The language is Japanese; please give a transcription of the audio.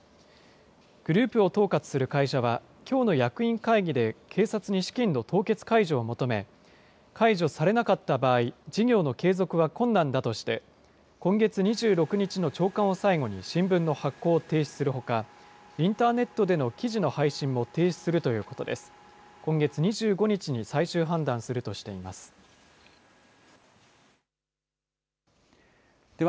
グループを統括する会社は、きょうの役員会議で警察に資金の凍結解除を求め、解除されなかった場合、事業の継続は困難だとして、今月２６日の朝刊を最後に新聞の発行を停止するほか、インターネットでの記事の配信も停止するということです。